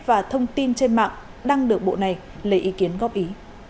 và thông tin trên mạng đăng được bộ này lấy ý kiến góp ý